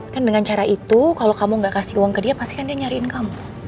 kan dengan cara itu kalau kamu gak kasih uang ke dia pasti kan dia nyariin kamu